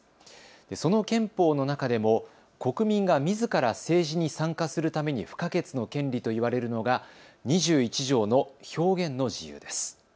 その憲法の中でも国民がみずから政治に参加するために不可欠の権利と言われるのが２１条の表現の自由です。